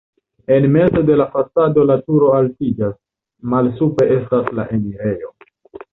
En mezo de la fasado la turo altiĝas, malsupre estas la enirejo.